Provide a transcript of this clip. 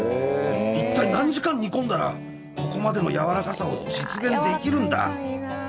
一体何時間煮込んだらここまでのやわらかさを実現できるんだ